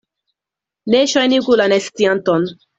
Ne ŝajnigu la nescianton.